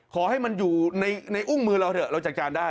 ขอให้มันอยู่ในอุ้งมือเราเถอะเราจัดการได้